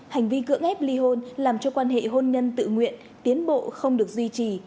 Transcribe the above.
hành vi cưỡng ép ly hôn làm cho quan hệ hôn nhân tự nguyện tiến bộ không được duy trì